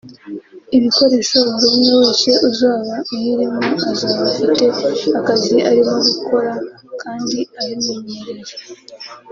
ibikoresho…buri umwe wese uzaba uyirimo azaba afite akazi arimo gukora kandi abimenyereye